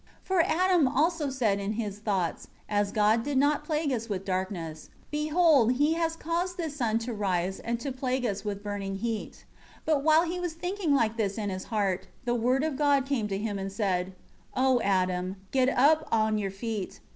9 For Adam also said in his thoughts, as God did not plague us with darkness, behold, He has caused this sun to rise and to plague us with burning heat. 10 But while he was thinking like this in his heart, the Word of God came to him and said: 11 "O Adam, get up on your feet.